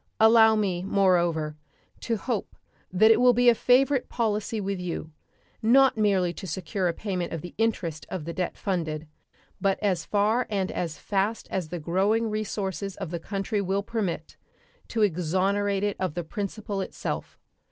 Allow me, moreover, to hope that it will be a favorite policy with you, not merely to secure a payment of the interest of the debt funded, but as far and as fast as the growing resources of the country will permit to exonerate it of the principal itself.